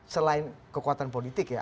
selain kekuatan politik ya